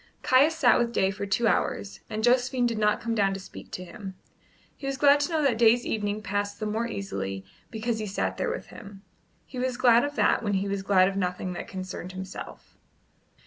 Caius sat with Day for two hours, and Josephine did not come down to speak to him. He was glad to know that Day's evening passed the more easily because he sat there with him; he was glad of that when he was glad of nothing that concerned himself.